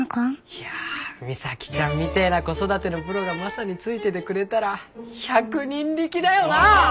いや美咲ちゃんみてえな子育てのプロがマサについててくれたら百人力だよな。